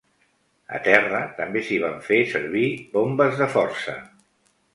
A terra també s'hi van fer servir bombes de força.